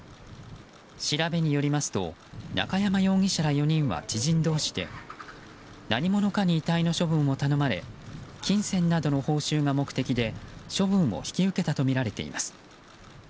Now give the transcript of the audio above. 調べによりますと中山容疑者ら４人は知人同士で何者かに遺体の処分を頼まれ金銭などの報酬が目的で処分を引き受けたとみられています。